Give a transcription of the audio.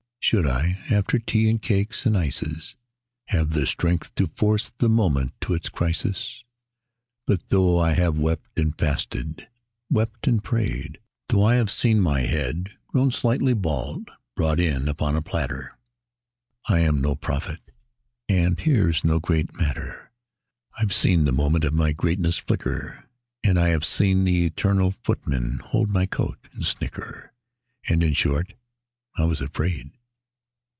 Should I, after tea and cakes and ices, Have the strength to force the moment to its crisis? But though I have wept and fasted, wept and prayed, Though I have seen my head (grown slightly bald) brought in upon a platter, I am no prophet and here's no great matter; I have seen the moment of my greatness flicker, And I have seen the eternal Footman hold my coat, and snicker, And in short, I was afraid.